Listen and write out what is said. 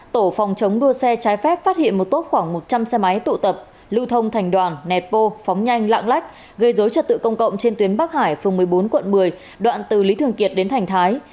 tổ phòng chống đua xe trái phép phát hiện một tốp khoảng một trăm linh xe máy tụ tập lưu thông thành đoàn nẹt bô phóng nhanh lạng lách gây dối trật tự công cộng trên tuyến bắc hải phường một mươi bốn quận một mươi đoạn từ lý thường kiệt đến thành thái